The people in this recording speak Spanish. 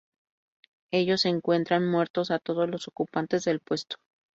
Ellos encuentran muertos a todos los ocupantes del puesto.